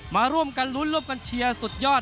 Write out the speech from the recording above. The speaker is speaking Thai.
มาร่วมกันลุ้นร่วมกันเชียร์สุดยอด